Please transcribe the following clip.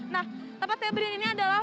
nah tempat saya beri ini adalah